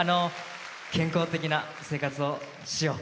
健康的な生活をしよう。